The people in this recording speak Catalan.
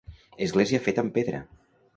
Església feta amb pedra.